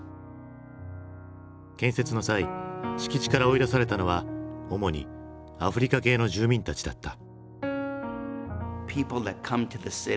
建設の際敷地から追い出されたのは主にアフリカ系の住民たちだった。